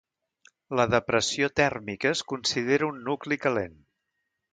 La depressió tèrmica es considera un nucli calent.